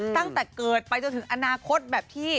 ตั้งแต่เกิดไปจนถึงอนาคตแบบที่